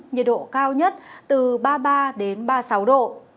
nhiệt độ cao nhất từ ba mươi ba đến ba mươi sáu độ